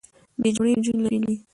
بې جوړې نجونې لرلې